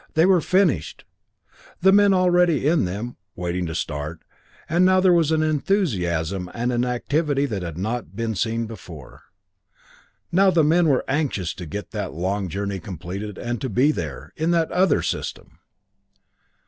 They were finished! The men were already in them, waiting to start, and now there was an enthusiasm and an activity that had not been before; now the men were anxious to get that long journey completed and to be there, in that other system!